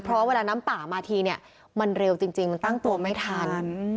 เพราะเวลาน้ำป่ามาทีเนี่ยมันเร็วจริงมันตั้งตัวไม่ทัน